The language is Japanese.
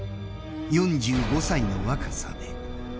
４５歳の若さで。